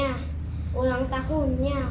yang ulang tahunnya